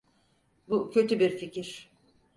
Bu kötü bir fikir.